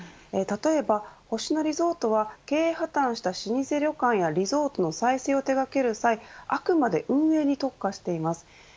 例えば、星野リゾートは経営破綻した老舗旅館やリゾートの再生を手掛ける際あくまで運営に特化しています。